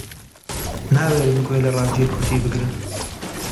ناوێرن گوێ لە ڕادیۆی کوردی بگرن